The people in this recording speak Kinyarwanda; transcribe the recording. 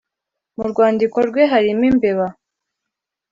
mu Rwandiko rwe harimo imbeba